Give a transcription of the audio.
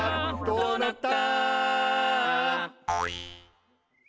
「どうなった？」